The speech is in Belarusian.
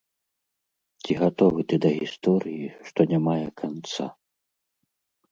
Ці гатовы ты да гісторыі, што не мае канца?